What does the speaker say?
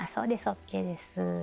ＯＫです。